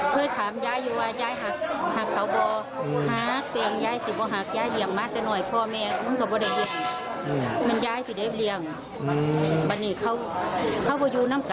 เคยถามยายยังว่ายายหากเขาโบ